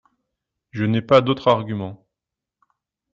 Je n’ai pas d’autre argument.